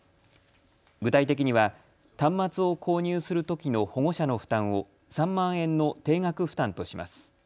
具体的には端末を購入するときの保護者の負担を３万円の定額負担とします。